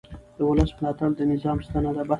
د ولس ملاتړ د نظام ستنه ده